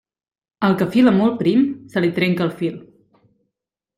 Al que fila molt prim, se li trenca el fil.